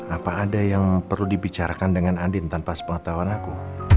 apa ada yang perlu dibicarakan dengan adin tanpa sepengetahuan aku